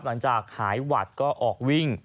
หลังจากหายหวัดก็ออกวิ่ง